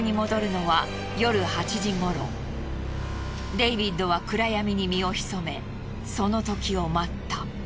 デイビッドは暗闇に身を潜めその時を待った。